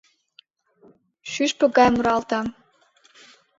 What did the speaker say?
Шӱшпык гае муралта.